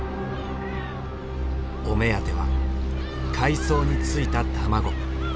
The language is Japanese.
お目当ては海藻についた卵。